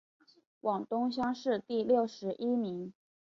广东乡试第六十一名。